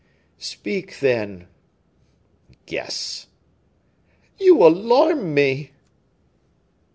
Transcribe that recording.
"Speak, then." "Guess." "You alarm me."